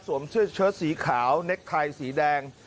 เสื้อเชิดสีขาวเน็กไทยสีแดง